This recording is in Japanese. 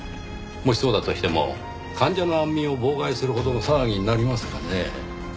もしそうだとしても患者の安眠を妨害するほどの騒ぎになりますかね？